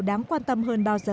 đáng quan tâm hơn bao giờ hết